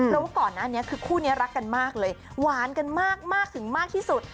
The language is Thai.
เพราะว่าก่อนหน้านี้คือคู่นี้รักกันมากเลยหวานกันมากถึงมากที่สุด